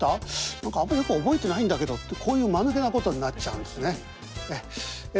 「何かあんまりよく覚えてないんだけど」ってこういうまぬけなことになっちゃうんですねええ。